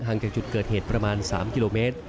จากจุดเกิดเหตุประมาณ๓กิโลเมตร